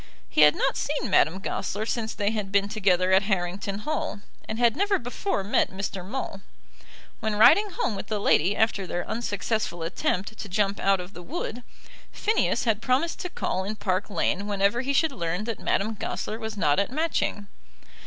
He had not seen Madame Goesler since they had been together at Harrington Hall, and had never before met Mr. Maule. When riding home with the lady after their unsuccessful attempt to jump out of the wood, Phineas had promised to call in Park Lane whenever he should learn that Madame Goesler was not at Matching.